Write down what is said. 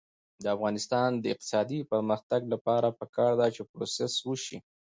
د افغانستان د اقتصادي پرمختګ لپاره پکار ده چې پروسس وشي.